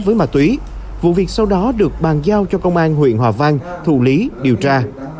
với ma túy vụ việc sau đó được bàn giao cho công an huyện hòa vang thủ lý điều tra